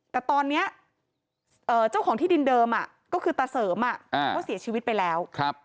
แต่ตอนนี้เจ้าของที่ดินเดิมก็คือตาเสริมก็เสียชีวิตไปแล้ว